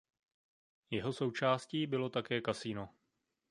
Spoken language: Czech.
Jeho součástí bylo také kasino.